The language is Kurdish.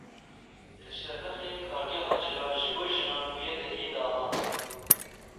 Li Şirnexê kargeha cilan ji bo jinan bûye deriyê dahatê.